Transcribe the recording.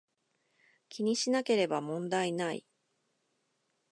気にしなければ問題無い